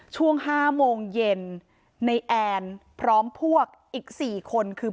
ช่วง๕โมงเย็นในแอนพร้อมพวกอีก๔คนคือ